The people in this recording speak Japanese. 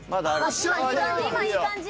今いい感じ